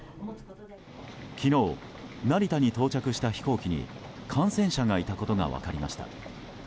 昨日、成田に到着した飛行機に感染者がいたことが分かりました。